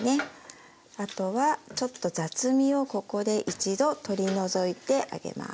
あとはちょっと雑味をここで一度取り除いてあげます。